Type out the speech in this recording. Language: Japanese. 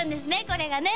これがね